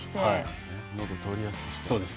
のどを通りやすくして。